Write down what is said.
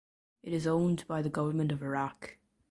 It is owned by the Government of Iraq.